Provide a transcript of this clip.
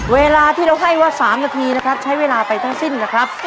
เวลาที่เราให้ว่า๓นาทีนะครับใช้เวลาไปทั้งสิ้นนะครับ